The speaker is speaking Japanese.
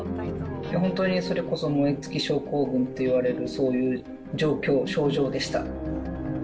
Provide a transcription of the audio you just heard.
本当に、それこそ燃え尽き症候群といわれる、そういう状況、症状でした。